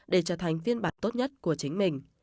để trở thành viên bản tốt nhất của chính mình